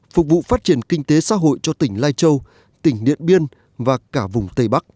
phục vụ phát triển kinh tế xã hội cho tỉnh lai châu tỉnh điện biên và cả vùng tây bắc